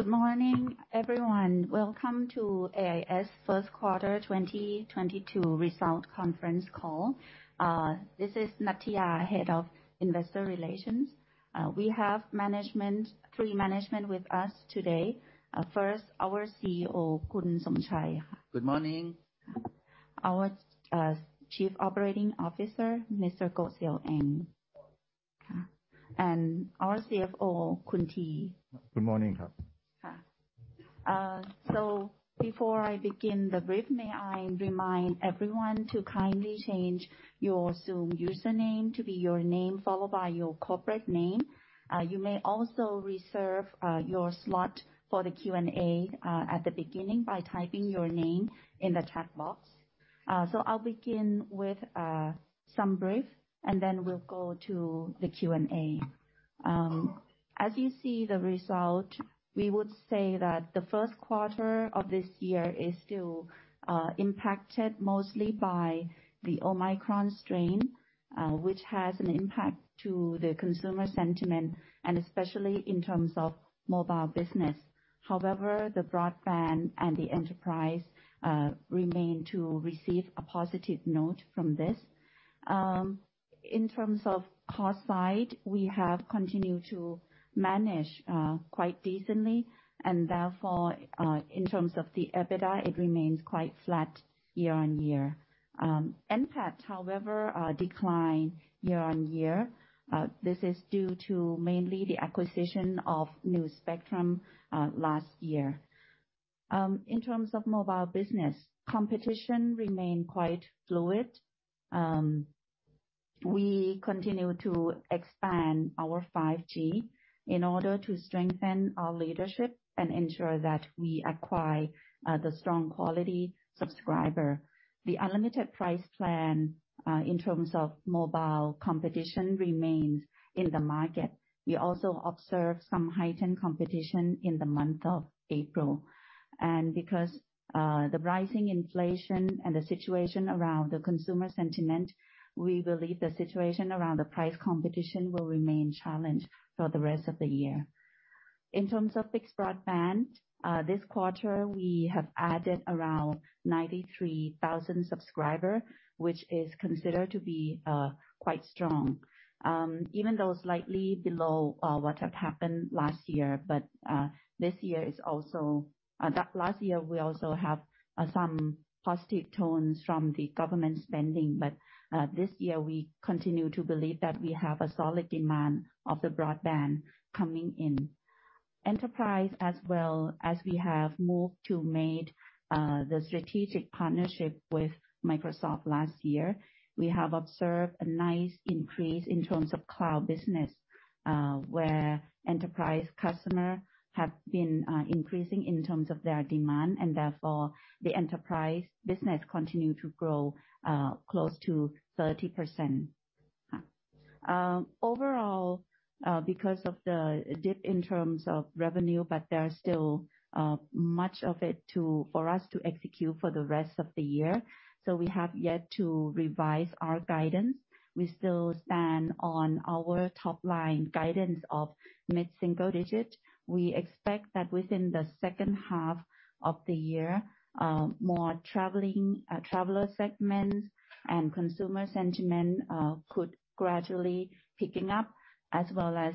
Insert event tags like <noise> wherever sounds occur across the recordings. Good morning, everyone. Welcome to AIS First Quarter 2022 Results Conference Call. This is Nattiya, head of investor relations. We have three management with us today. First, our CEO, Khun Somchai. Good morning. Our Chief Operating Officer, Mr. Goh Seow Eng. Our CFO, Khun Tee. Good morning. Before I begin the brief, may I remind everyone to kindly change your Zoom username to be your name, followed by your corporate name. You may also reserve your slot for the Q&A at the beginning by typing your name in the chat box. I'll begin with some brief, and then we'll go to the Q&A. As you see the result, we would say that the first quarter of this year is still impacted mostly by the Omicron strain, which has an impact to the consumer sentiment and especially in terms of mobile business. However, the broadband and the enterprise remain to receive a positive note from this. In terms of cost side, we have continued to manage quite decently. Therefore, in terms of the EBITDA, it remains quite flat year-on-year. NPAT, however, declined year-on-year. This is due to mainly the acquisition of new spectrum last year. In terms of mobile business, competition remained quite fluid. We continue to expand our 5G in order to strengthen our leadership and ensure that we acquire the strong quality subscriber. The unlimited price plan in terms of mobile competition remains in the market. We also observe some heightened competition in the month of April. Because the rising inflation and the situation around the consumer sentiment, we believe the situation around the price competition will remain challenged for the rest of the year. In terms of fixed broadband, this quarter, we have added around 93,000 subscriber, which is considered to be quite strong even though slightly below what had happened last year. Last year, we also have some positive tones from the government spending, but this year, we continue to believe that we have a solid demand for the broadband coming in. Enterprise as well, as we have made the strategic partnership with Microsoft last year. We have observed a nice increase in terms of cloud business, where enterprise customer have been increasing in terms of their demand, and therefore the enterprise business continue to grow close to 30%. Overall, because of the dip in terms of revenue, but there are still much of it for us to execute for the rest of the year, so we have yet to revise our guidance. We still stand on our top-line guidance of mid-single-digit%. We expect that within the second half of the year, more traveling traveler segments and consumer sentiment could gradually picking up as well as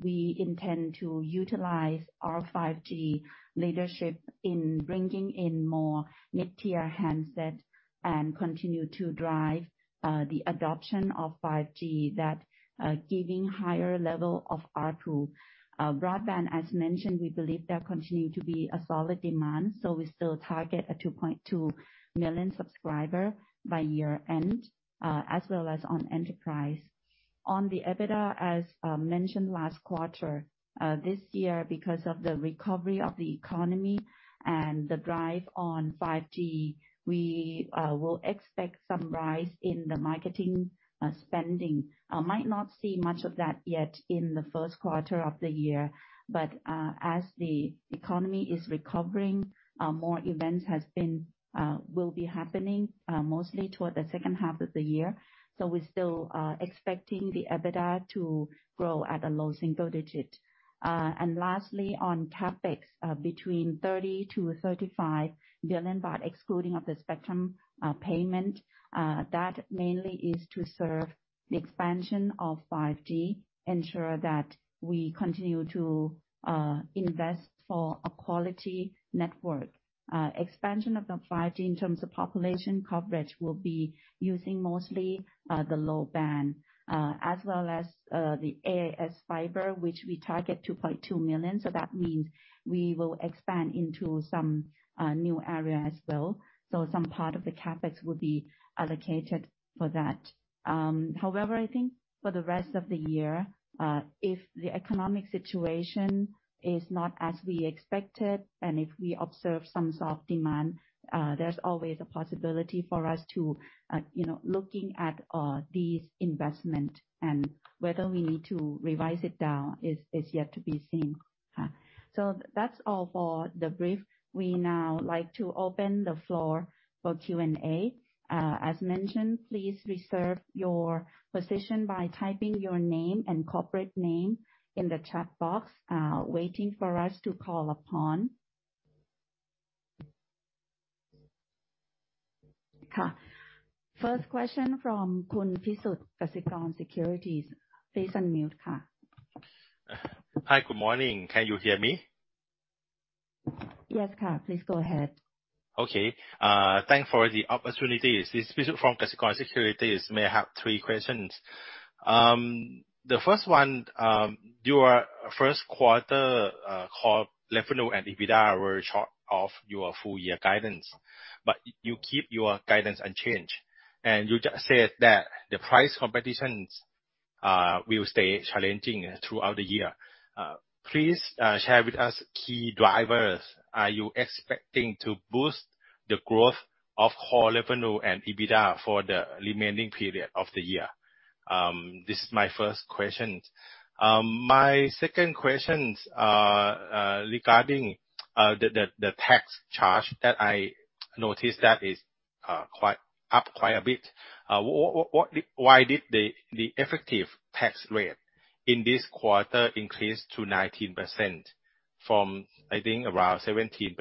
we intend to utilize our 5G leadership in bringing in more mid-tier handset and continue to drive the adoption of 5G that giving higher level of ARPU. Broadband, as mentioned, we believe there continue to be a solid demand, so we still target a 2.2 million subscriber by year-end, as well as on enterprise. On the EBITDA, as mentioned last quarter, this year, because of the recovery of the economy and the drive on 5G, we will expect some rise in the marketing spending. Might not see much of that yet in the first quarter of the year, but as the economy is recovering, more events will be happening, mostly toward the second half of the year. We're still expecting the EBITDA to grow at a low single-digit. Lastly, on CapEx, between 30 billion-35 billion baht excluding the spectrum payment. That mainly is to serve the expansion of 5G, ensure that we continue to invest for a quality network. Expansion of 5G in terms of population coverage will be using mostly the low band, as well as the AIS Fibre, which we target 2.2 million. That means we will expand into some new area as well. Some part of the CapEx will be allocated for that. However, I think for the rest of the year, if the economic situation is not as we expected and if we observe some soft demand, there's always a possibility for us to, you know, looking at these investment and whether we need to revise it down is yet to be seen. That's all for the brief. We now like to open the floor for Q&A. As mentioned, please reserve your position by typing your name and corporate name in the chat box, waiting for us to call upon. First question from Khun Pisut, Kasikorn Securities. Please unmute. Hi, good morning. Can you hear me? Yes, Khun. Please go ahead. Okay. Thanks for the opportunity. This is Pisut from Kasikorn Securities. May I have three questions? The first one, your first quarter core revenue and EBITDA were short of your full year guidance. You keep your guidance unchanged, and you just said that the price competitions will stay challenging throughout the year. Please share with us key drivers are you expecting to boost the growth of core revenue and EBITDA for the remaining period of the year? This is my first question. My second question's regarding the tax charge that I noticed that is quite up a bit. Why did the effective tax rate in this quarter increase to 19% from, I think, around 17%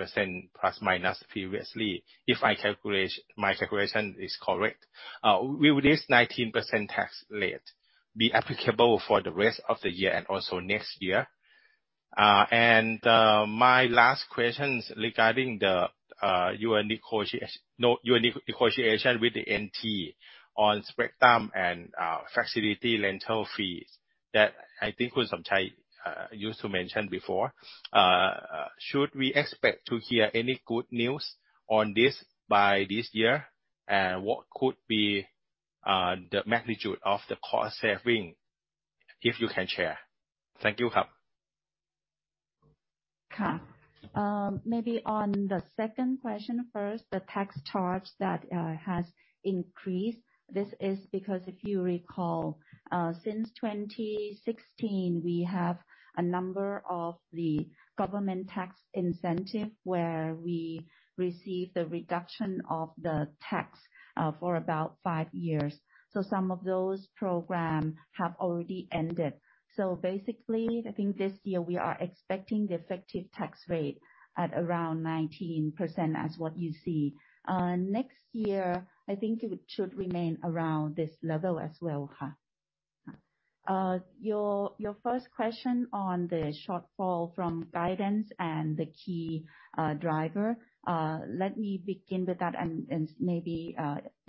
plus minus previously, if my calculation is correct? Will this 19% tax rate be applicable for the rest of the year and also next year? My last question's regarding your negotiation with the NT on spectrum and facility rental fees that I think Khun Somchai used to mention before. Should we expect to hear any good news on this by this year? What could be the magnitude of the cost saving, if you can share? Thank you, Khun. Maybe on the second question first, the tax charge that has increased. This is because if you recall, since 2016, we have a number of the government tax incentive where we receive the reduction of the tax for about five years. Some of those program have already ended. Basically, I think this year we are expecting the effective tax rate at around 19% as what you see. Next year, I think it should remain around this level as well. Your first question on the shortfall from guidance and the key driver, let me begin with that and maybe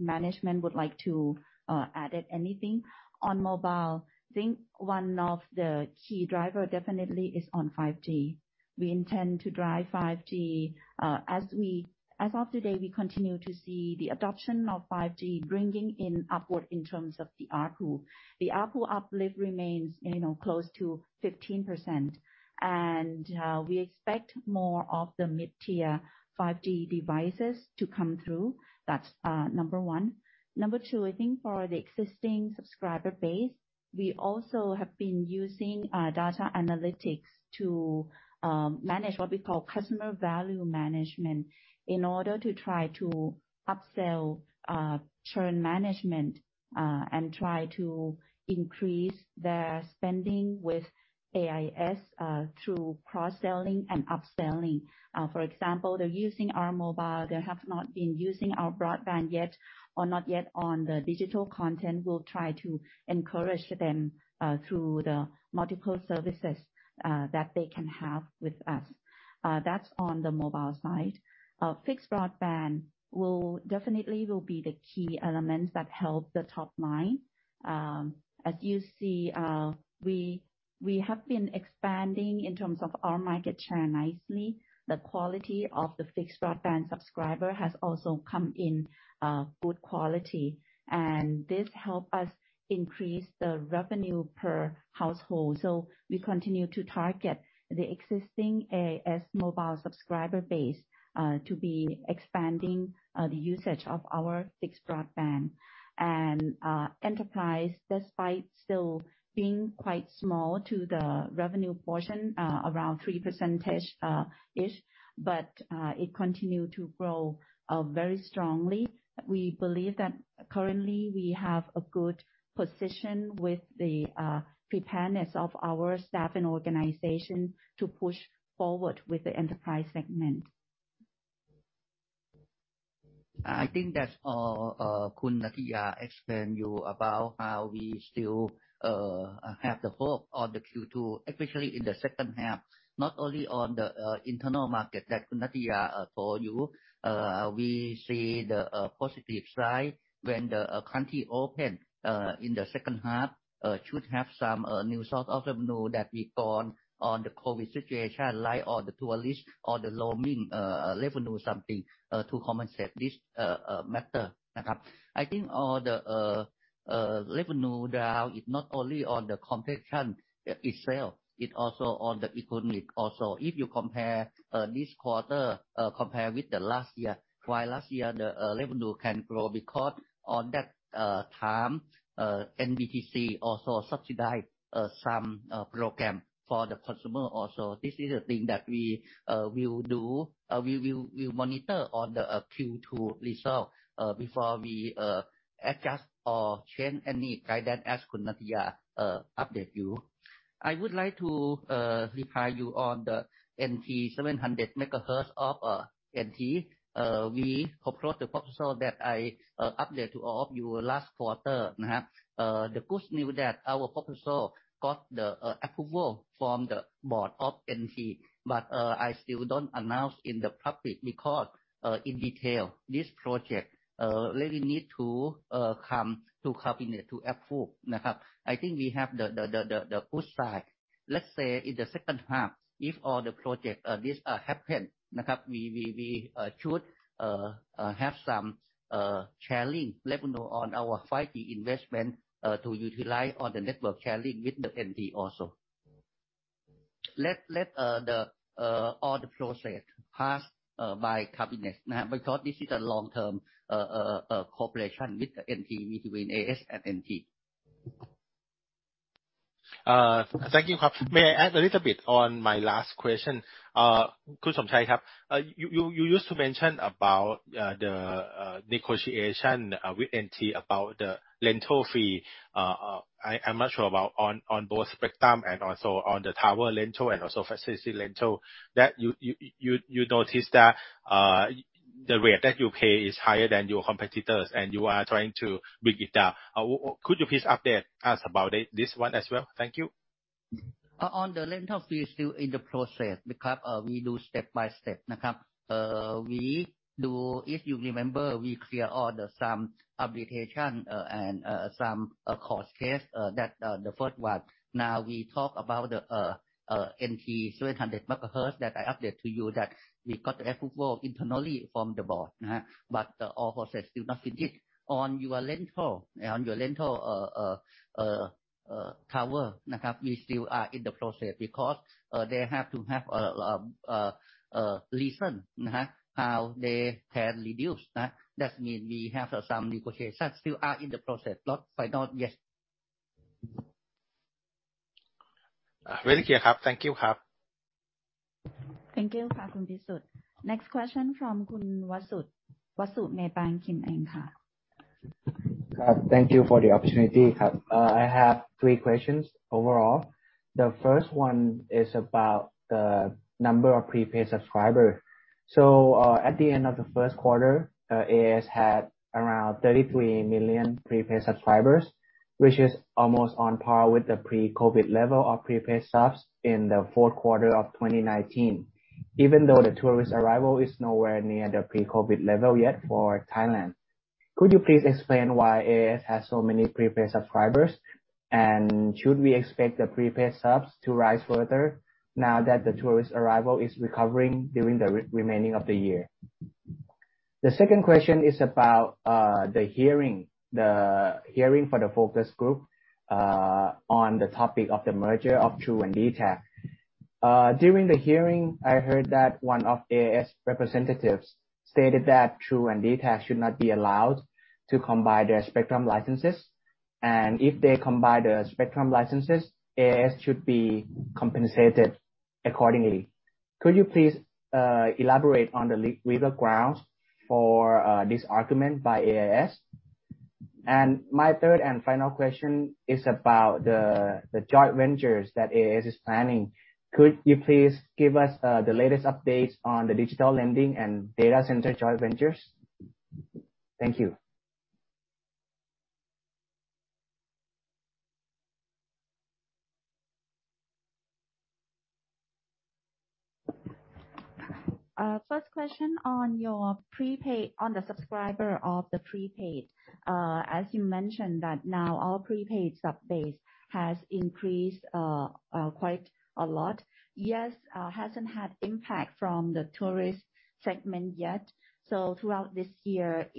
management would like to add anything. On mobile, I think one of the key driver definitely is on 5G. We intend to drive 5G. As of today, we continue to see the adoption of 5G bringing an upward in terms of the ARPU. The ARPU uplift remains, you know, close to 15%. We expect more of the mid-tier 5G devices to come through. That's number one. Number two, I think for the existing subscriber base, we also have been using data analytics to manage what we call customer value management in order to try to upsell, churn management, and try to increase their spending with AIS through cross-selling and upselling. For example, they're using our mobile, they have not been using our broadband yet or not yet on the digital content. We'll try to encourage them through the multiple services that they can have with us. That's on the mobile side. Fixed broadband will definitely be the key elements that help the top line. As you see, we have been expanding in terms of our market share nicely. The quality of the fixed broadband subscriber has also come in good quality, and this help us increase the revenue per household. We continue to target the existing AIS mobile subscriber base to be expanding the usage of our fixed broadband. Enterprise, despite still being quite small to the revenue portion, around 3% -ish, it continue to grow very strongly. We believe that currently we have a good position with the preparedness of our staff and organization to push forward with the enterprise segment. I think that's all, Khun Nattiya explained you about how we still have the hope on the Q2, especially in the second half. Not only on the internal market that Nattiya told you, we see the positive side when the country open in the second half should have some new source of revenue that we've gone on the COVID situation, like the tourist or the roaming revenue something to compensate this matter. I think all the revenue down is not only on the competition itself, it also on the economy also. If you compare this quarter with the last year. Why last year the revenue can grow? Because on that time, NBTC also subsidized some program for the consumer also. This is the thing that we will do. We'll monitor on the Q2 result before we adjust or change any guidance as Khun Nattiya update you. I would like to reply you on the NT 700 MHz of NT. We proposed the proposal that I update to all of you last quarter. The good news that our proposal got the approval from the board of NT, but I still don't announce in the public because in detail, this project really need to come to cabinet to approve. I think we have the good side. Let's say in the second half, if all the projects happen, we should have some sharing revenue on our five-year investment to utilize all the network sharing with the NT also. Let all the processes pass by the Cabinet, because this is a long-term cooperation with the NT between AIS and NT. Thank you. May I add a little bit on my last question? You used to mention about the negotiation with NT about the rental fee. I'm not sure about on both spectrum and also on the tower rental and also facility rental, that you noted that the rate that you pay is higher than your competitors and you are trying to bring it down. Could you please update us about it, this one as well? Thank you. On the rental fee, still in the process, because we do step by step. If you remember, we clear all the some application and some cost case that the first one. Now we talk about the NT 700 MHz that I update to you that we got approval internally from the board. All process still not finished. On your rental tower, we still are in the process because they have to have a reason how they can reduce. That means we have some negotiations. Still are in the process. Not final yet. Very clear. Thank you. Thank you. Next question from Khun [Wasut, Bank of America].. Thank you for the opportunity. I have three questions overall. The first one is about the number of prepaid subscribers. At the end of the first quarter, AIS had around 33 million prepaid subscribers, which is almost on par with the pre-COVID level of prepaid subs in the fourth quarter of 2019, even though the tourist arrival is nowhere near the pre-COVID level yet for Thailand. Could you please explain why AIS has so many prepaid subscribers? Should we expect the prepaid subs to rise further now that the tourist arrival is recovering during the remaining of the year? The second question is about the hearing for the focus group on the topic of the merger of True and DTAC. During the hearing, I heard that one of AIS representatives stated that True and DTAC should not be allowed to combine their spectrum licenses. If they combine the spectrum licenses, AIS should be compensated accordingly. Could you please elaborate on the legal grounds for this argument by AIS? My third and final question is about the joint ventures that AIS is planning. Could you please give us the latest updates on the digital lending and data center joint ventures? Thank you. First question on the subscriber of the prepaid. As you mentioned that now our prepaid sub base has increased quite a lot. Yes, hasn't had impact from the tourist segment yet. Throughout this year,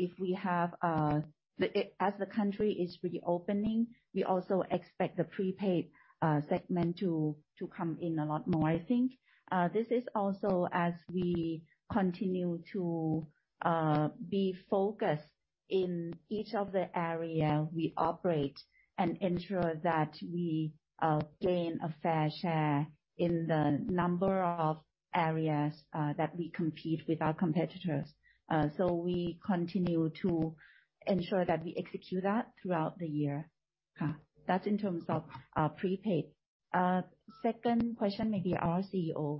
as the country is reopening, we also expect the prepaid segment to come in a lot more. I think this is also as we continue to be focused in each of the area we operate and ensure that we gain a fair share in the number of areas that we compete with our competitors. We continue to ensure that we execute that throughout the year. That's in terms of prepaid. Second question maybe our CEO.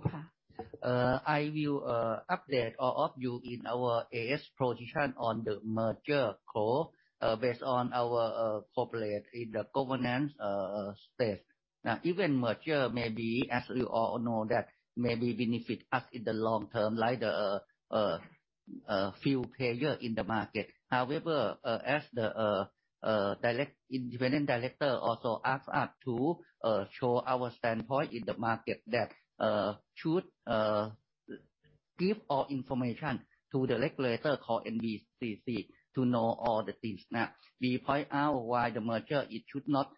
I will update all of you on our AIS position on the merger call, based on our corporate governance stance. Now, even merger may be, as you all know, that may benefit us in the long term, like the fewer players in the market. However, as the direct independent director also ask us to show our standpoint in the market that should give all information to the regulator called NBTC to know all the things. Now, we point out why the merger it should not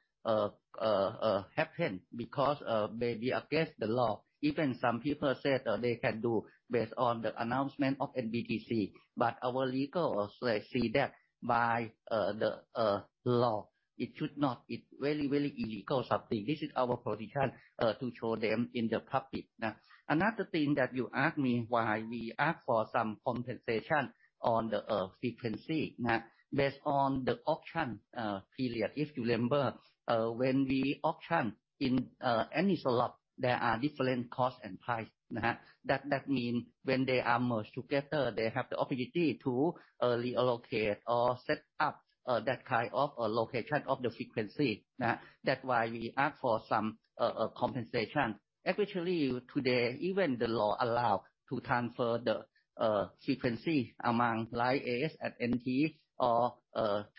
happen because may be against the law. Even some people said they can do based on the announcement of NBTC, but our legal also see that by the law, it should not. It's very, very illegal something. This is our position to show them in the public. Another thing that you ask me why we ask for some compensation on the frequency. Based on the auction period. If you remember, when we auction in any slot, there are different cost and price. That mean when they are merged together, they have the opportunity to reallocate or set up that kind of allocation of the frequency. That's why we ask for some compensation. Actually, today, even the law allow to transfer the frequency among like AIS and NT or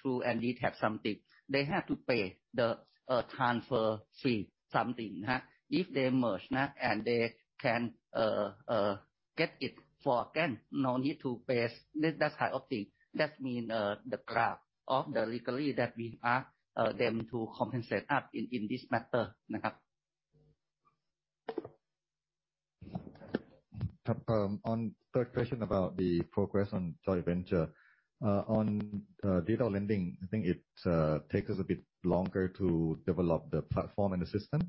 True and DTAC something. They have to pay the transfer fee something. If they merge, they can get it for grant, no need to pay that kind of thing. That means the legal grounds that we ask them to compensate us in this matter. Nah. On third question about the progress on joint venture. On digital lending, I think it take us a bit longer to develop the platform and the system.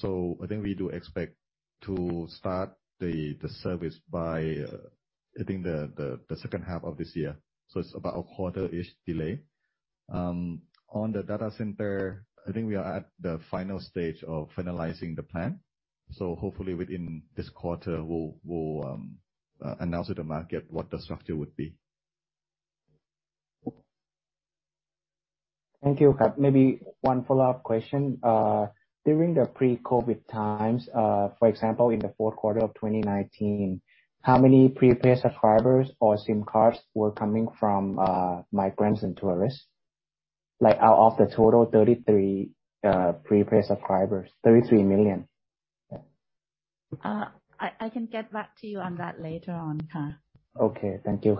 I think we do expect to start the service by, I think the second half of this year. It's about a quarter-ish delay. On the data center, I think we are at the final stage of finalizing the plan. Hopefully within this quarter, we'll announce to the market what the structure would be. Thank you. Maybe one follow-up question. During the pre-COVID times, for example, in the fourth quarter of 2019, how many prepaid subscribers or SIM cards were coming from migrants and tourists? Like, out of the total 33 million prepaid subscribers. I can get back to you on that later on. Okay. Thank you.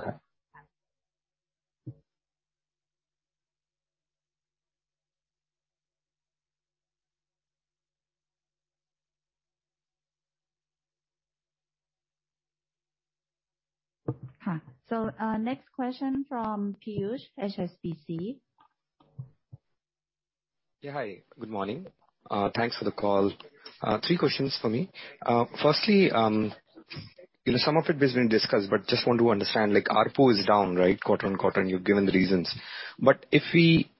Next question from Piyush, HSBC. Yeah. Hi, good morning. Thanks for the call. Three questions for me. Firstly, you know, some of it has been discussed, but just want to understand, like ARPU is down, right? Quarter-on-quarter, and you've given the reasons. If we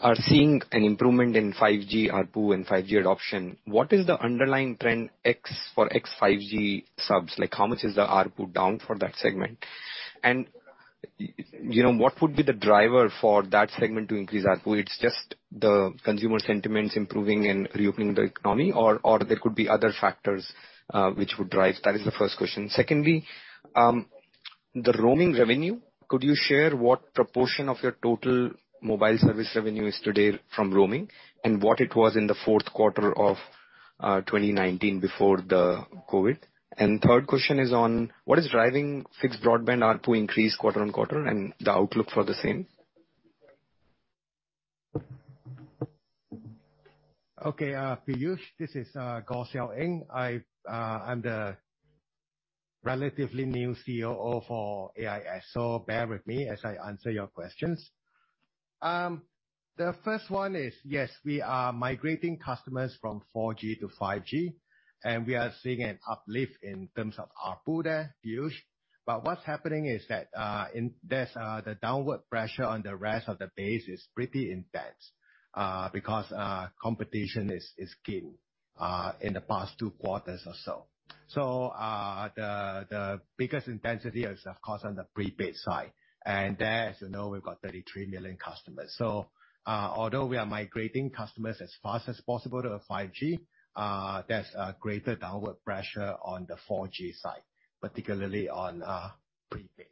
are seeing an improvement in 5G ARPU and 5G adoption, what is the underlying trend ex-5G subs? Like how much is the ARPU down for that segment? And, you know, what would be the driver for that segment to increase ARPU? It's just the consumer sentiments improving and reopening the economy or there could be other factors, which would drive? That is the first question. Secondly, the roaming revenue. Could you share what proportion of your total mobile service revenue is today from roaming? What it was in the fourth quarter of 2019 before the COVID? Third question is on what is driving fixed broadband ARPU increase quarter-on-quarter and the outlook for the same? Okay, Piyush, this is Goh Seow Eng. I'm the relatively new COO for AIS, so bear with me as I answer your questions. The first one is yes, we are migrating customers from 4G to 5G, and we are seeing an uplift in terms of ARPU there, Piyush. What's happening is that there's the downward pressure on the rest of the base is pretty intense because competition is keen in the past two quarters or so. The biggest intensity is of course on the prepaid side, and there, as you know, we've got 33 million customers. Although we are migrating customers as fast as possible to the 5G, there's a greater downward pressure on the 4G side, particularly on prepaid.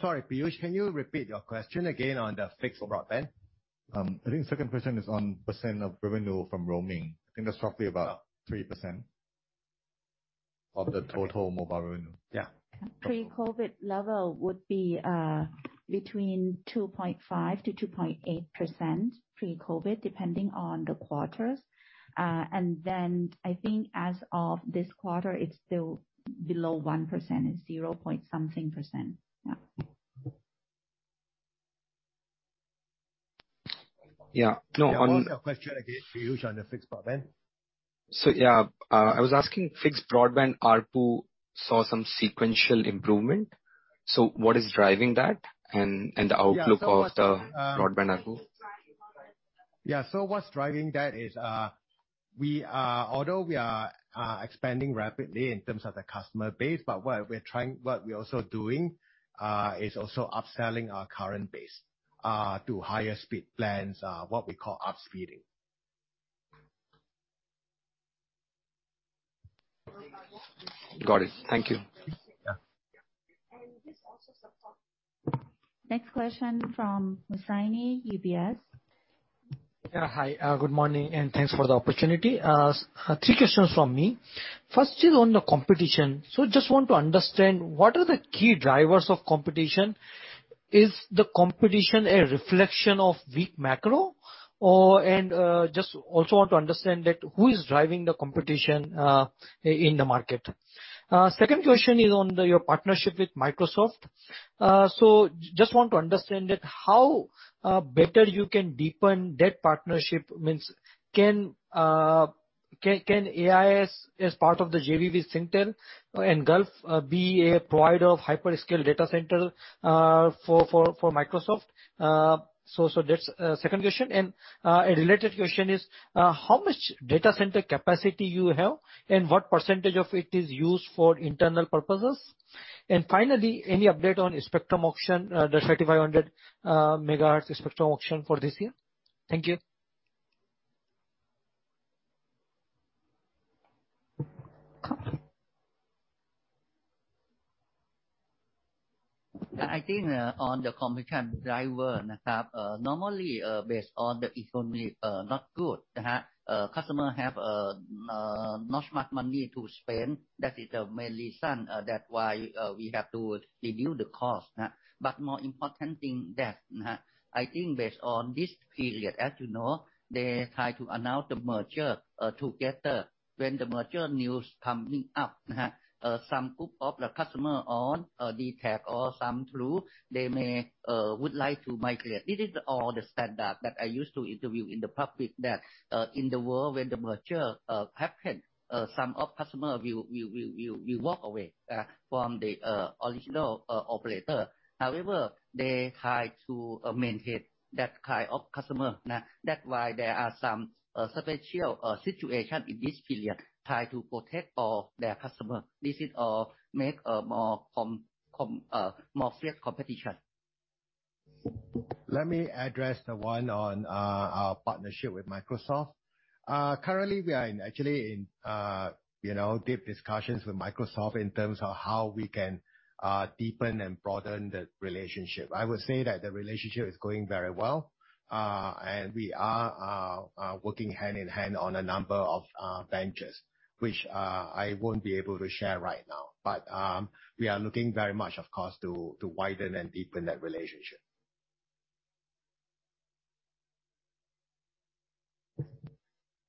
Sorry, Piyush, can you repeat your question again on the fixed broadband? I think second question is on percent of revenue from roaming. I think that's roughly about 3%. Of the total mobile revenue? Yeah. Pre-COVID level would be between 2.5%-2.8% pre-COVID, depending on the quarters. I think as of this quarter, it's still below 1%. It's 0.something%. Yeah. No, Can you ask your question again, Piyush, on the fixed broadband? I was asking fixed broadband ARPU saw some sequential improvement. What is driving that and the outlook of the broadband ARPU? Yeah. What's driving that is, although we are expanding rapidly in terms of the customer base, but what we're also doing is also upselling our current base to higher speed plans, what we call upspeeding. Got it. Thank you. Yeah. Next question from Mohseni, UBS. Yeah. Hi, good morning, and thanks for the opportunity. Three questions from me. First is on the competition. Just want to understand, what are the key drivers of competition? Is the competition a reflection of weak macro? Or, and, just also want to understand that who is driving the competition, in the market? Second question is on your partnership with Microsoft. Just want to understand that how better you can deepen that partnership. Means can AIS, as part of the JV with Singtel and Gulf, be a provider of hyperscale data center for Microsoft? That's second question. A related question is, how much data center capacity you have, and what percentage of it is used for internal purposes? Finally, any update on spectrum auction, the 3.5 GHz spectrum auction for this year? Thank you. Yeah. I think on the competition driver, normally based on the economy, not good to have. Not much money to spend. That is the main reason that why we have to reduce the cost. More important thing that, I think based on this period, as you know, they try to announce the merger together. When the merger news coming up, some group of the customer on DTAC or some True, they may would like to migrate. This is all the standard that I used to interview in the public that in the world where the merger happened, some of customer will walk away from the original operator. However, they try to maintain that kind of customer. That's why there are some special situation in this period try to protect all their customer. This is make a more fair competition. Let me address the one on our partnership with Microsoft. Currently, we are actually in you know deep discussions with Microsoft in terms of how we can deepen and broaden the relationship. I would say that the relationship is going very well. We are working hand-in-hand on a number of ventures, which I won't be able to share right now. We are looking very much, of course, to widen and deepen that relationship.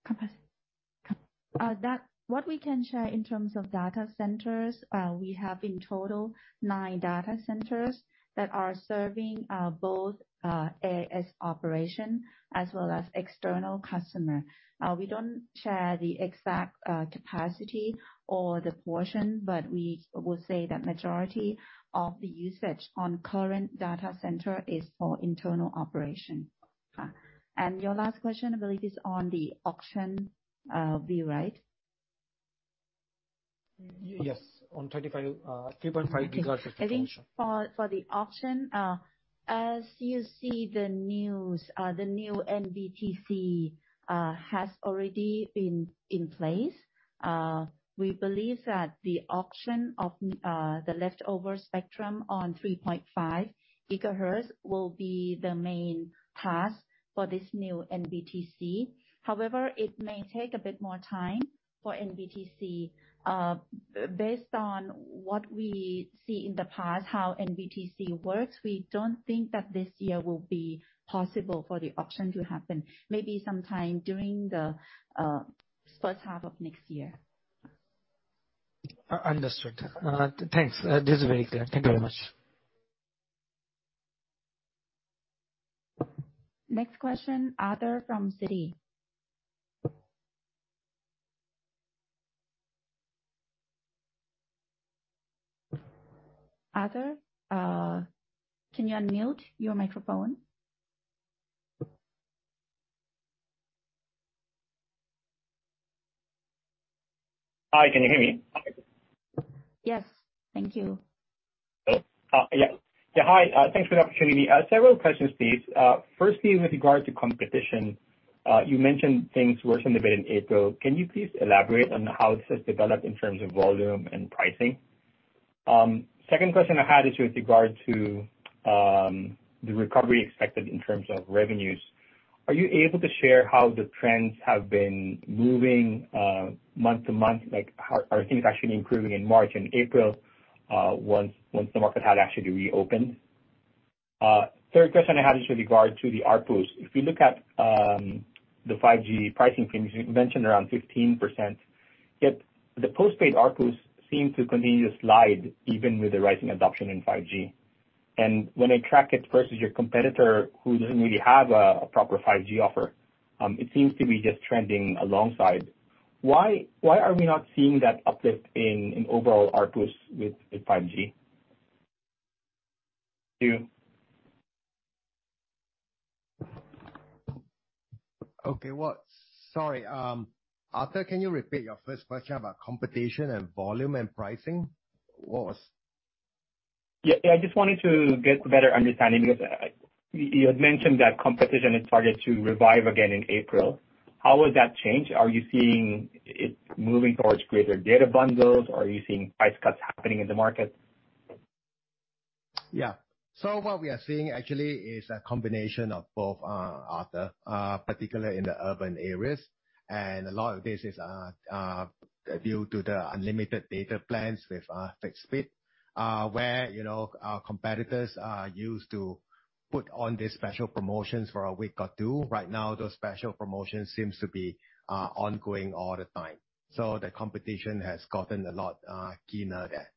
Capacity. What we can share in terms of data centers, we have in total nine data centers that are serving both AIS operation as well as external customer. We don't share the exact capacity or the portion, but we will say that majority of the usage on current data center is for internal operation. Your last question, I believe, is on the auction, right? Yes. On 3.5 gigahertz frequency. I think for the auction, as you see the news, the new NBTC has already been in place. We believe that the auction of the leftover spectrum on 3.5 GHz will be the main task for this new NBTC. However, it may take a bit more time for NBTC. Based on what we see in the past, how NBTC works, we don't think that this year will be possible for the auction to happen. Maybe sometime during the first half of next year. Understood. Thanks. This is very clear. Thank you very much. Next question, Arthur from Citi. Arthur, can you unmute your microphone? Hi, can you hear me? Yes. Thank you. Yeah. Yeah, hi, thanks for the opportunity. Several questions, please. Firstly with regard to competition, you mentioned things worsened a bit in April. Can you please elaborate on how this has developed in terms of volume and pricing? Second question I had is with regard to the recovery expected in terms of revenues. Are you able to share how the trends have been moving, month to month? Like, are things actually improving in March and April, once the market had actually reopened? Third question I had is with regard to the ARPUs. If you look at the 5G pricing, you mentioned around 15%, yet the postpaid ARPUs seem to continue to slide even with the rising adoption in 5G. When I track it versus your competitor who doesn't really have a proper 5G offer, it seems to be just trending alongside. Why are we not seeing that uplift in overall ARPUs with 5G? Thank you. Okay. Sorry, Arthur, can you repeat your first question about competition and volume and pricing? What was- Yeah. Yeah, I just wanted to get a better understanding because you had mentioned that competition had started to revive again in April. How has that changed? Are you seeing it moving towards greater data bundles, or are you seeing price cuts happening in the market? Yeah. What we are seeing actually is a combination of both, Arthur, particularly in the urban areas. A lot of this is due to the unlimited data plans with fixed speed, where, you know, our competitors used to put on these special promotions for a week or two. Right now, those special promotions seems to be ongoing all the time. The competition has gotten a lot keener there.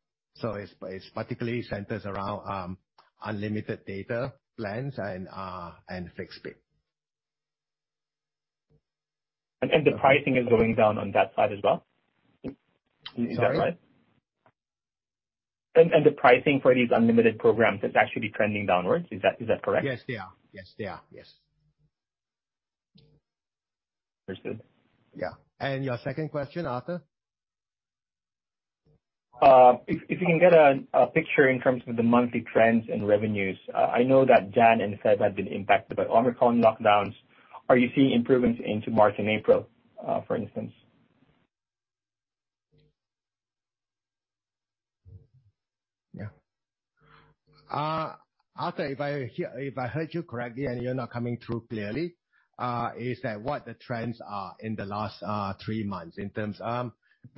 It's particularly centers around unlimited data plans and fixed speed. The pricing is going down on that side as well? Sorry? Is that right? The pricing for these unlimited programs is actually trending downward, is that correct? Yes, they are. Yes, they are. Yes. Understood. Yeah. Your second question, Arthur? If you can get a picture in terms of the monthly trends and revenues. I know that January and February have been impacted by Omicron lockdowns. Are you seeing improvements into March and April, for instance? Yeah. Arthur, if I heard you correctly and you're not coming through clearly, is that what the trends are in the last three months in terms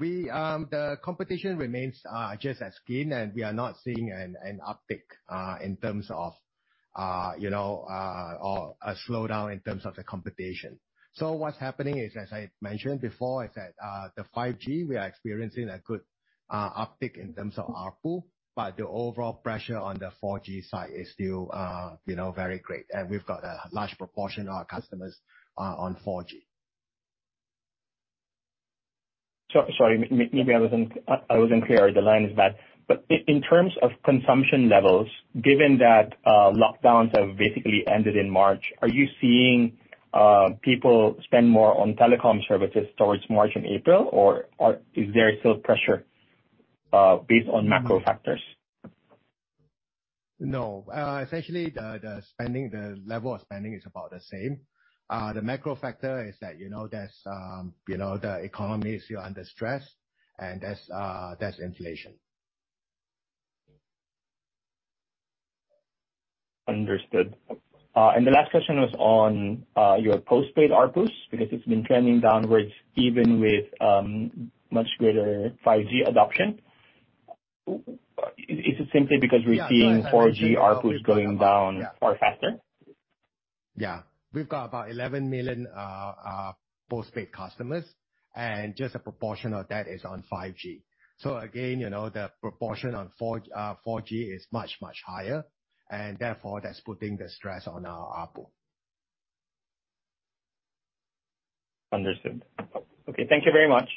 the competition remains just as keen, and we are not seeing an uptick in terms of, you know, or a slowdown in terms of the competition. What's happening is, as I mentioned before, that the 5G, we are experiencing a good uptick in terms of ARPU, but the overall pressure on the 4G side is still, you know, very great. We've got a large proportion of our customers on 4G. Sorry. Maybe I wasn't clear. The line is bad. In terms of consumption levels, given that lockdowns have basically ended in March, are you seeing people spend more on telecom services towards March and April, or is there still pressure based on macro factors? No. Essentially the spending, the level of spending is about the same. The macro factor is that, you know, there's, you know, the economy is still under stress and there's inflation. Understood. The last question was on your postpaid ARPUs, because it's been trending downward even with much greater 5G adoption. Is it simply because we're seeing- Yeah. Go ahead. 4G ARPUs going down far faster? Yeah. We've got about 11 million postpaid customers, and just a proportion of that is on 5G. Again, you know, the proportion on 4G is much, much higher and therefore that's putting the stress on our ARPU. Understood. Okay. Thank you very much.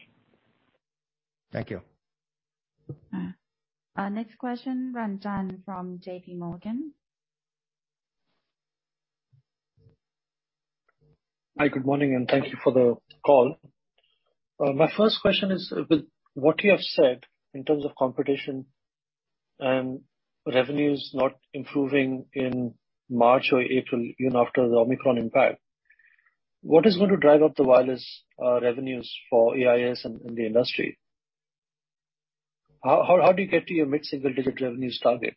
Thank you. Next question, Ranjan from JPMorgan. Hi. Good morning, and thank you for the call. My first question is with what you have said in terms of competition and revenues not improving in March or April, even after the Omicron impact, what is going to drive up the wireless revenues for AIS and the industry? How do you get to your mid-single digit revenues target?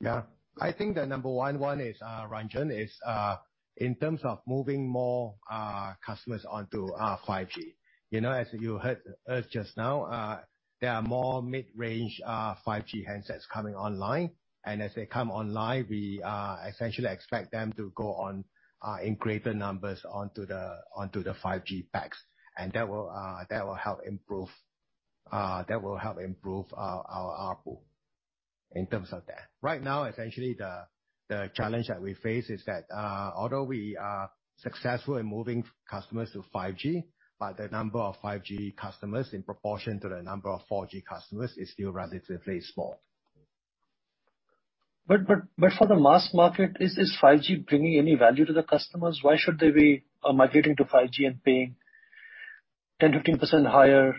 Yeah. I think the number one is, Ranjan, in terms of moving more customers onto 5G. You know, as you heard us just now, there are more mid-range 5G handsets coming online. As they come online, we essentially expect them to go on in greater numbers onto the 5G packs. That will help improve our ARPU in terms of that. Right now, essentially the challenge that we face is that, although we are successful in moving customers to 5G, the number of 5G customers in proportion to the number of 4G customers is still relatively small. For the mass market, is 5G bringing any value to the customers? Why should they be migrating to 5G and paying 10%-15% higher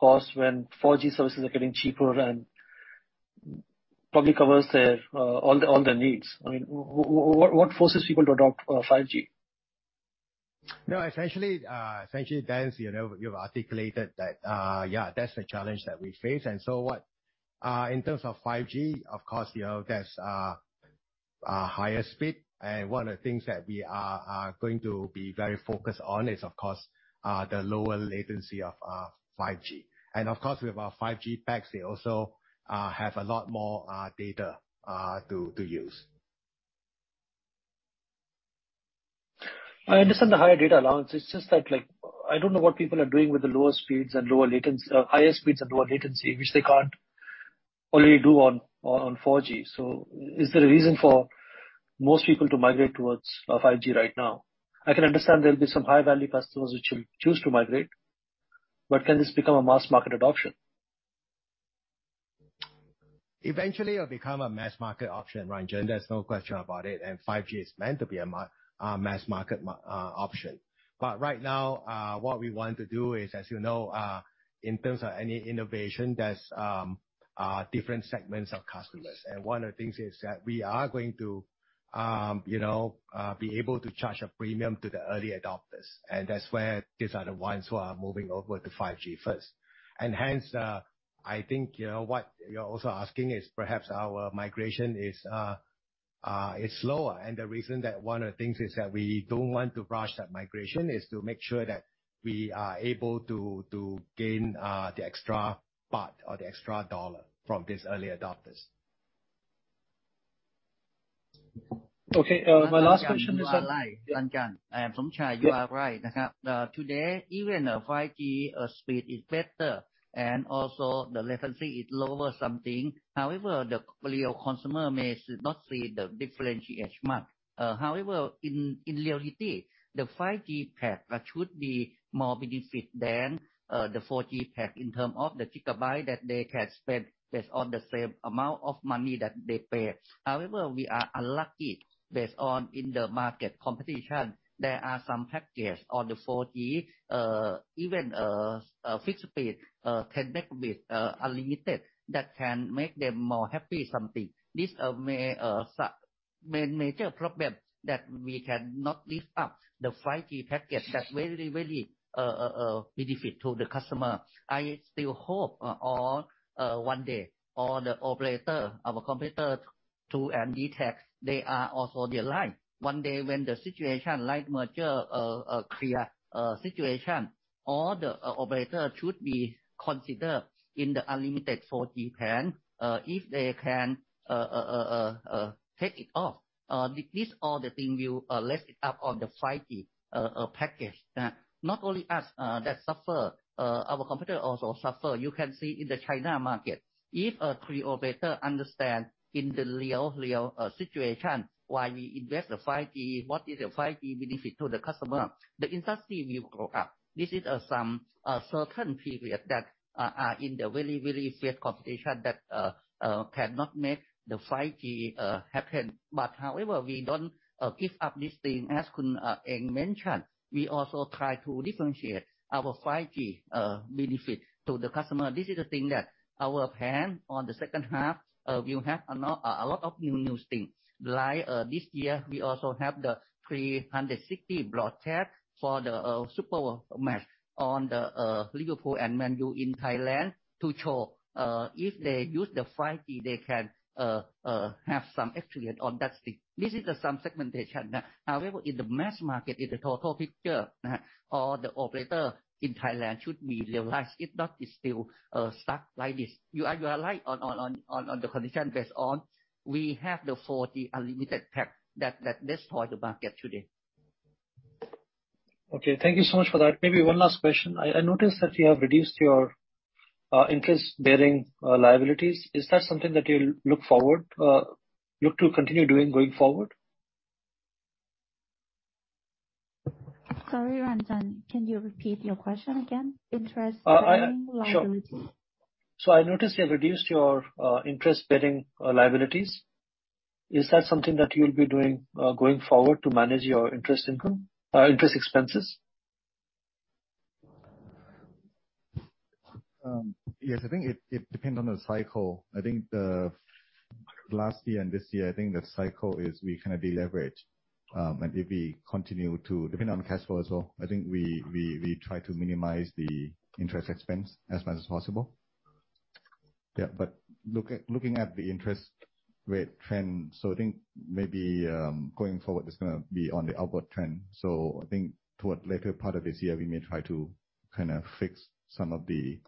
cost when 4G services are getting cheaper and probably covers all their needs? I mean, what forces people to adopt 5G? You know, essentially, then, you know, you've articulated that, yeah, that's the challenge that we face. In terms of 5G, of course, you know, there's higher speed. One of the things that we are going to be very focused on is of course, the lower latency of 5G. Of course, with our 5G packs, they also have a lot more data to use. I understand the higher data allowance. It's just that, like, I don't know what people are doing with the higher speeds and lower latency, which they can't already do on 4G. Is there a reason for most people to migrate towards 5G right now? I can understand there'll be some high value customers which will choose to migrate. Can this become a mass market adoption? Eventually it'll become a mass market option, Ranjan. There's no question about it. 5G is meant to be a mass market option. Right now, what we want to do is, as you know, in terms of any innovation, there's different segments of customers. One of the things is that we are going to, you know, be able to charge a premium to the early adopters. That's where these are the ones who are moving over to 5G first. Hence, I think, you know, what you're also asking is perhaps our migration is slower. The reason that one of the things is that we don't want to rush that migration is to make sure that we are able to gain the extra part or the extra dollar from these early adopters. Okay. My last question is that. Ranjan, you are right. Ranjan, I am Somchai. Yes. You are right. Today, even 5G speed is better and also the latency is lower. However, the real consumer may not see the difference much. However, in reality, the 5G pack should be more beneficial than the 4G pack in terms of the gigabyte that they can spend based on the same amount of money that they pay. However, we are unlucky. Based on the market competition, there are some packages on the 4G, even fixed speed 10 Mbps unlimited that can make them more happy. This may be the major problem that we cannot lift up the 5G package that very, very beneficial to the customer. I still hope one day all the operator, our competitor, True and DTAC, they are also realized one day when the situation like merger clear situation, all the operator should be considered in the unlimited 4G plan. If they can take it off, this all the thing will lift it up on the 5G package. Not only us that suffer, our competitor also suffer. You can see in the China market, if the three operator understand in the real situation why we invest in 5G, what is a 5G benefit to the customer, the industry will grow up. This is some certain period that is in the very fair competition that cannot make the 5G happen. However, we don't give up this thing. As Khun Eng mentioned, we also try to differentiate our 5G benefit to the customer. This is the thing that our plan on the second half will have a lot of new things. Like, this year we also have the 360 broadcast for the Super Match on the Liverpool and Man U in Thailand to show if they use the 5G, they can have some experience on that thing. This is the some segmentation. However, in the mass market, in the total picture, all the operator in Thailand should be realized. If not, it's still stuck like this. You are right on the condition based on we have the 4G unlimited pack that destroy the market today. Okay, thank you so much for that. Maybe one last question. I noticed that you have reduced your interest-bearing liabilities. Is that something that you'll look to continue doing going forward? Sorry, Ranjan, can you repeat your question again? Interest-bearing liabilities. Sure. I noticed you have reduced your interest-bearing liabilities. Is that something that you'll be doing going forward to manage your interest income, interest expenses? Yes. I think it depend on the cycle. I think the last year and this year, I think the cycle is we kinda deleverage. Depending on the cash flow as well, I think we try to minimize the interest expense as much as possible. Yeah, but looking at the interest rate trend, I think maybe going forward it's gonna be on the upward trend. I think toward later part of this year we may try to kinda fix some of the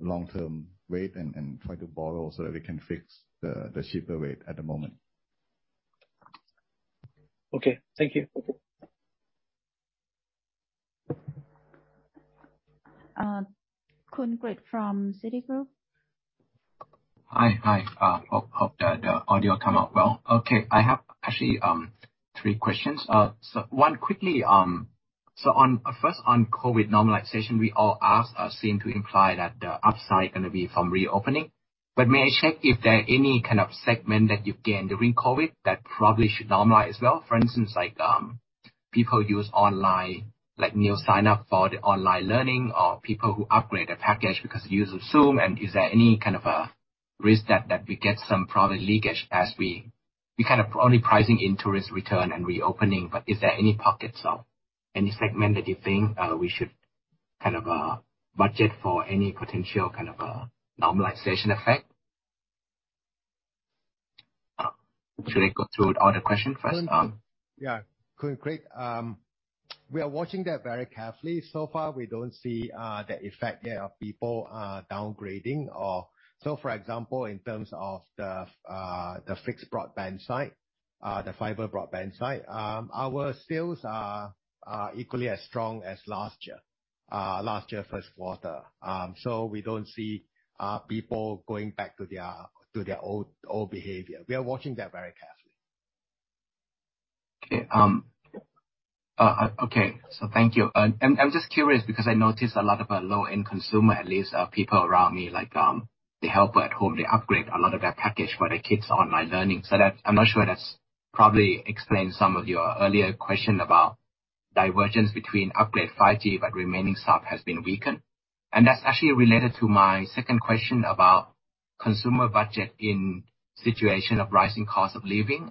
long-term rate and try to borrow so that we can fix the cheaper rate at the moment. Okay, thank you. [Khun Prit] from Citigroup. Hi. Hope the audio come out well. Okay. I have actually three questions. One quickly, first on COVID normalization, we all ask or seem to imply that the upside gonna be from reopening. May I check if there any kind of segment that you've gained during COVID that probably should normalize as well? For instance, like, people use online, like new sign-up for the online learning or people who upgrade their package because use of Zoom. Is there any kind of a risk that we get some probably leakage as we kind of only pricing in tourist return and reopening, but is there any pockets of any segment that you think we should kind of budget for any potential kind of normalization effect? Should I go through all the question first? Yeah, Khun [Prit] we are watching that very carefully. So far, we don't see the effect that people are downgrading. For example, in terms of the fixed broadband side, the fiber broadband side, our sales are equally as strong as last year first quarter. We don't see people going back to their old behavior. We are watching that very carefully. Thank you. I'm just curious because I noticed a lot of our low-end consumer, at least, people around me, like, the helper at home, they upgrade a lot of their package for their kids online learning. I'm not sure that's probably explain some of your earlier question about divergence between upgrade 5G, but remaining subs has been weakened. That's actually related to my second question about consumer budget in situation of rising cost of living.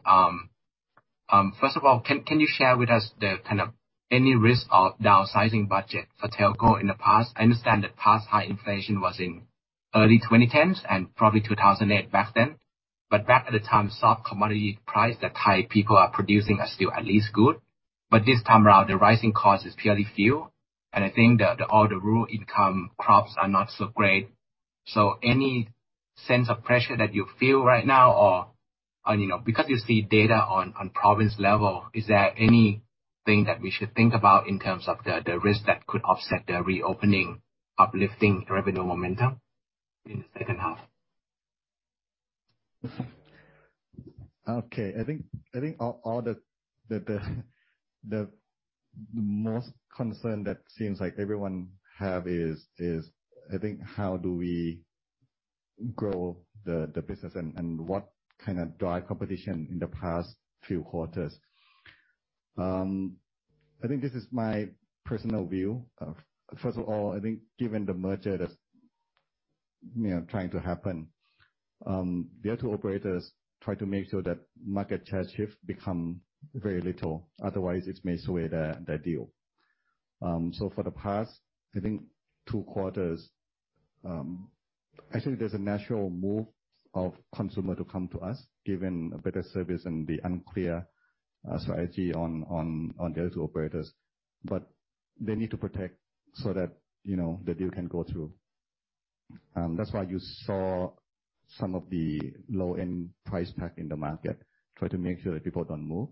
First of all, can you share with us the kind of any risk of downsizing budget for telco in the past? I understand that past high inflation was in early 2010s and probably 2008 back then. Back at the time, soft commodity price that Thai people are producing are still at least good. This time around, the rising cost is purely fuel. I think all the rural income crops are not so great. Any sense of pressure that you feel right now or and you know because you see data on province level, is there anything that we should think about in terms of the risk that could offset the reopening, uplifting revenue momentum in the second half? Okay. I think all the most concern that seems like everyone have is I think how do we grow the business and what kind of drive competition in the past few quarters. I think this is my personal view. First of all, I think given the merger that, you know, trying to happen. The other two operators try to make sure that market share shift become very little, otherwise it may sway the deal. For the past, I think two quarters, actually there's a natural move of consumer to come to us given a better service and the unclear strategy on the other two operators. They need to protect so that, you know, the deal can go through. That's why you saw some of the low-end price pack in the market, try to make sure that people don't move.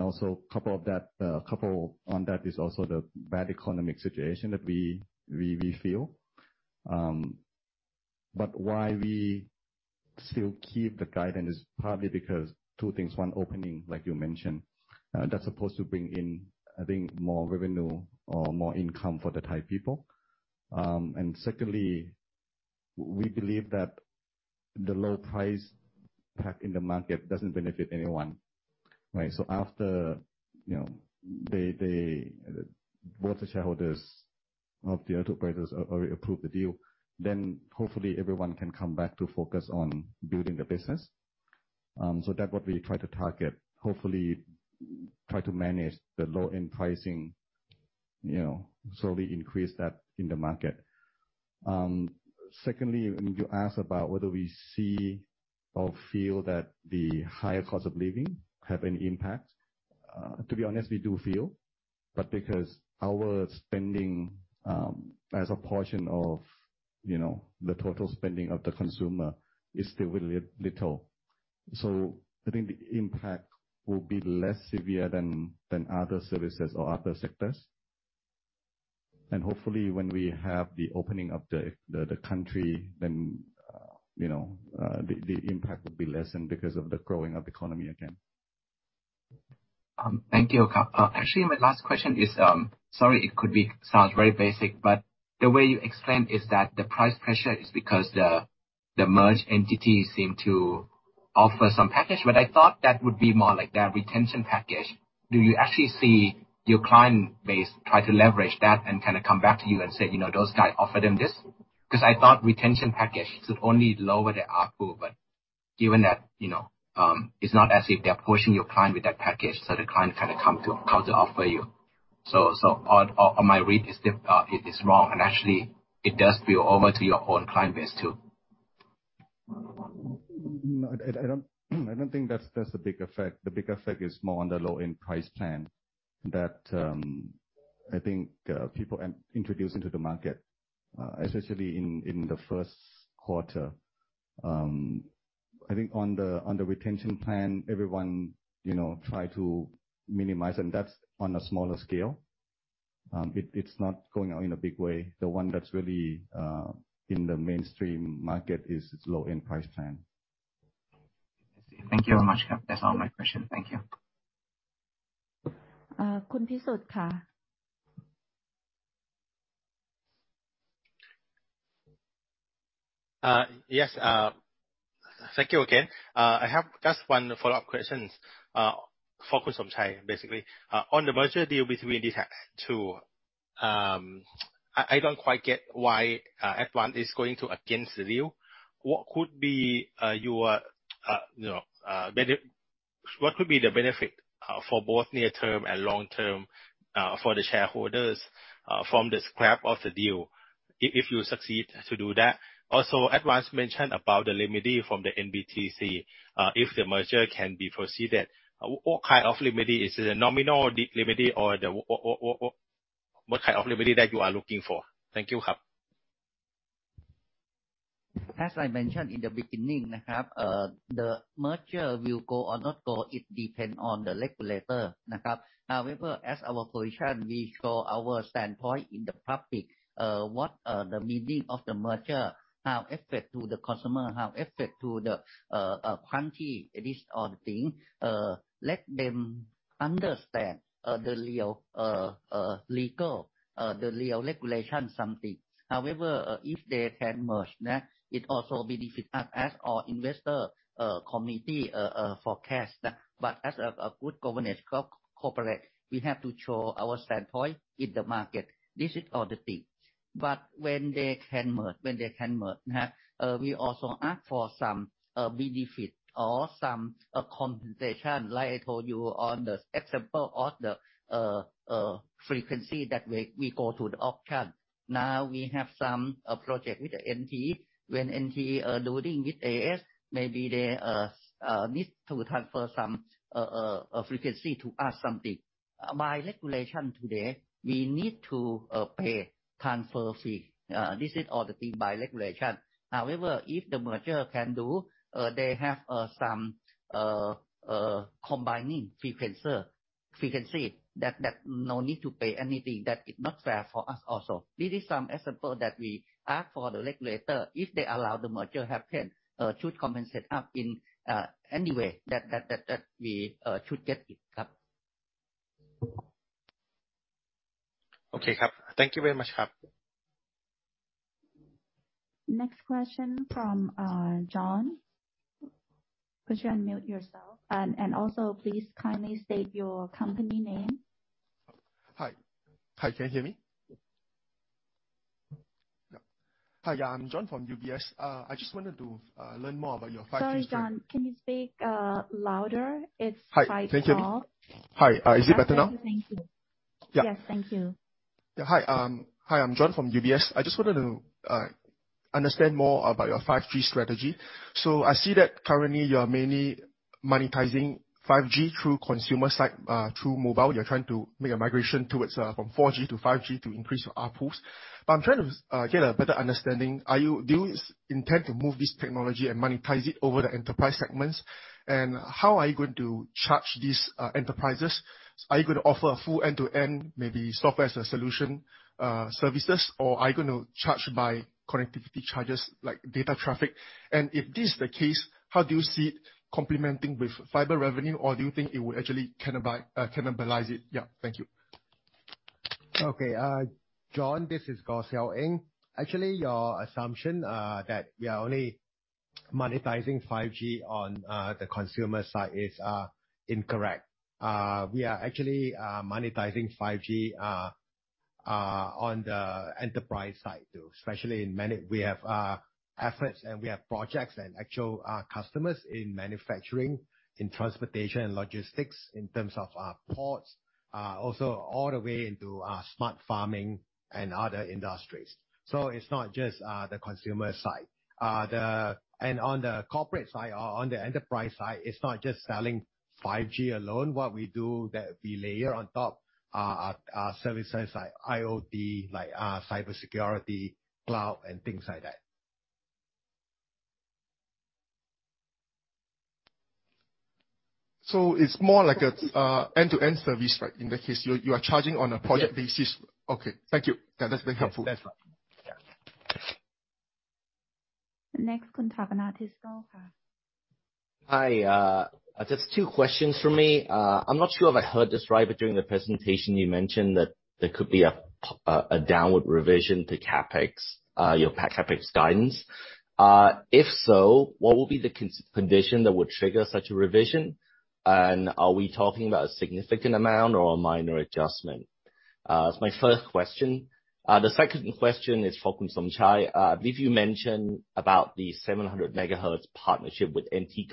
Also couple of that, couple on that is also the bad economic situation that we feel. Why we still keep the guidance is partly because two things. The opening, like you mentioned, that's supposed to bring in, I think, more revenue or more income for the Thai people. Secondly, we believe that the low price pack in the market doesn't benefit anyone, right? After, you know, both the shareholders of the other operators already approved the deal, then hopefully everyone can come back to focus on building the business. That's what we try to target. Hopefully try to manage the low-end pricing, you know, slowly increase that in the market. Secondly, when you ask about whether we see or feel that the higher cost of living have any impact, to be honest, we do feel. Because our spending, as a portion of, you know, the total spending of the consumer is still really little. I think the impact will be less severe than other services or other sectors. Hopefully, when we have the opening of the country, then you know the impact will be lessened because of the growing of the economy again. Thank you. Actually, my last question is, sorry, it could sound very basic. But the way you explained is that the price pressure is because the merged entity seems to offer some package. But I thought that would be more like their retention package. Do you actually see your client base try to leverage that and kinda come back to you and say, "You know, those guys offered them this"? 'Cause I thought retention package should only lower the ARPU. But given that, you know, it's not as if they're pushing your client with that package, so the client kinda come to offer you. So on my read is that it is wrong, and actually it does spill over to your own client base too. No, I don't think that's the big effect. The big effect is more on the low-end price plan that I think people are introducing to the market, especially in the first quarter. I think on the retention plan, everyone, you know, try to minimize, and that's on a smaller scale. It's not going out in a big way. The one that's really in the mainstream market is its low-end price plan. Thank you very much. That's all my question. Thank you. Khun Pisut. Yes. Thank you again. I have just one follow-up question for Somchai, basically. On the merger deal between these two, I don't quite get why Advanced is going against the deal. What could be the benefit for both near term and long term for the shareholders from the scrap of the deal if you succeed to do that? Also, Advanced mentioned about the remedy from the NBTC if the merger can proceed. What kind of remedy? Is it a nominal remedy or what kind of remedy that you are looking for? Thank you. As I mentioned in the beginning, the merger will go or not go, it depend on the regulator. However, as our position, we show our standpoint in the public, the meaning of the merger, how affect to the customer, how affect to the country. It is all the thing, let them understand the real legal, the real regulation something. However, if they can merge that, it also benefit us as our investor committee forecast. As a good corporate governance, we have to show our standpoint in the market. This is all the thing. When they can merge, we also ask for some benefit or some compensation, like I told you on the example of the frequency that we go to the auction. Now we have some project with the NT. When NT teaming with AIS, maybe they need to transfer some frequency to us, something. By regulation today, we need to pay transfer fee. This is all the thing by regulation. However, if the merger can do, they have some combining frequency that no need to pay anything, that is not fair for us also. This is some example that we ask for the regulator, if they allow the merger happen, should compensate us in any way that we should get it. Okay. Thank you very much. Next question from John. Could you unmute yourself? Please kindly state your company name. Hi. Hi, can you hear me? Yeah. Hi, I'm John from UBS. I just wanted to learn more about your <crosstalk> Sorry, John. Can you speak louder? It's quite soft. Hi. Thank you. Hi. Is it better now? Yes. Thank you. Yeah. Yes. Thank you. Yeah. Hi, I'm John from UBS. I just wanted to understand more about your 5G strategy. So I see that currently you are mainly monetizing 5G through consumer side, through mobile. You're trying to make a migration towards from 4G to 5G to increase your ARPU. But I'm trying to get a better understanding. Do you intend to move this technology and monetize it over the enterprise segments? And how are you going to charge these enterprises? Are you gonna offer a full end-to-end maybe software as a solution services, or are you gonna charge by connectivity charges, like data traffic? And if this is the case, how do you see it complementing with fiber revenue, or do you think it will actually cannibalize it? Yeah. Thank you. Okay. John, this is Goh Seow Eng. Actually, your assumption that we are only monetizing 5G on the consumer side is incorrect. We are actually monetizing 5G on the enterprise side too, especially in man- we have efforts and we have projects and actual customers in manufacturing, in transportation and logistics, in terms of ports, also all the way into smart farming and other industries. So it's not just the consumer side. On the corporate side or on the enterprise side, it's not just selling 5G alone. What we do that we layer on top are services like IoT, like cybersecurity, cloud, and things like that. It's more like a end-to-end service, right? In that case you are charging on a project basis. Yeah. Okay. Thank you. That's been helpful. That's right. Yeah. The next Khun [Pratthana Leelapanang]. Hi. Just two questions from me. I'm not sure if I heard this right, but during the presentation you mentioned that there could be a downward revision to CapEx, your CapEx guidance. If so, what will be the condition that would trigger such a revision? And are we talking about a significant amount or a minor adjustment? That's my first question. The second question is for Khun Somchai. I believe you mentioned about the 700 MHz partnership with NT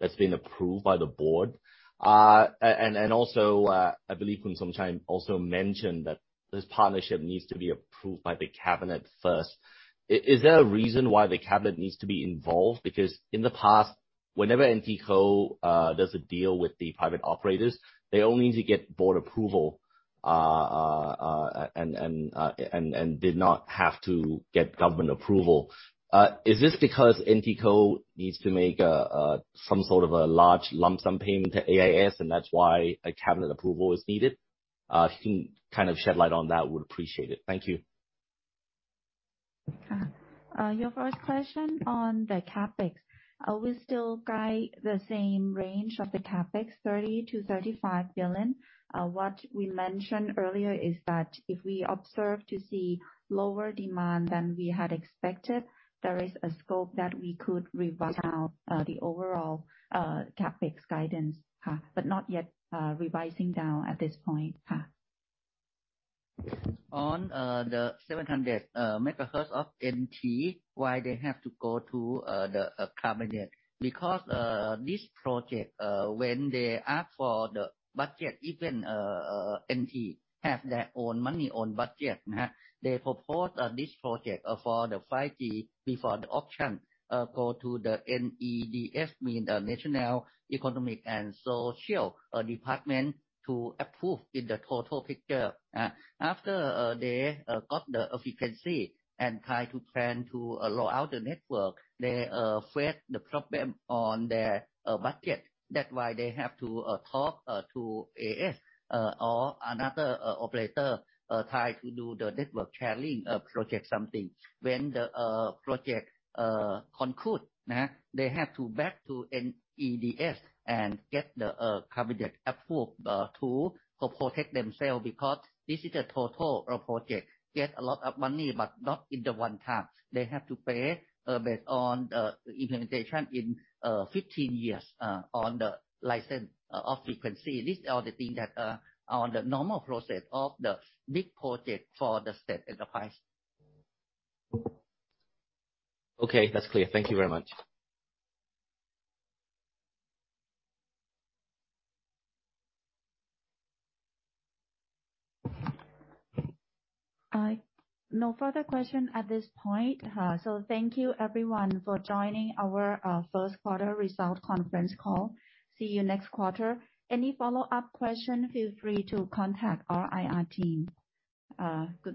that's been approved by the board. And also, I believe Khun Somchai also mentioned that this partnership needs to be approved by the cabinet first. Is there a reason why the cabinet needs to be involved? Because in the past, whenever NT does a deal with the private operators, they only need to get board approval and did not have to get government approval. Is this because NT needs to make some sort of a large lump sum payment to AIS, and that's why a cabinet approval is needed? If you can kind of shed light on that, would appreciate it. Thank you. Your first question on the CapEx. We still guide the same range of the CapEx, 30 billion-35 billion. What we mentioned earlier is that if we observe to see lower demand than we had expected, there is a scope that we could revise down, the overall, CapEx guidance. Not yet, revising down at this point. On the 700 MHz of NT, why they have to go to the cabinet? Because this project, when they ask for the budget, even NT have their own money, own budget. They propose this project for the 5G before the auction, go to the NESDB, meaning the National Economic and Social Development Board to approve in the total picture. After they got the efficiency and try to plan to roll out the network, they face the problem on their budget. That's why they have to talk to AIS or another operator, try to do the network sharing project something. When the project conclude, they have to back to NESDB and get the cabinet approved to protect themselves, because this is the total of project. Get a lot of money, but not in the one time. They have to pay based on implementation in 15 years on the license of frequency. These are the things that on the normal process of the big project for the state enterprise. Okay, that's clear. Thank you very much. Hi. No further questions at this point. Thank you everyone for joining our first quarter results conference call. See you next quarter. Any follow-up questions, feel free to contact our IR team. Good morning.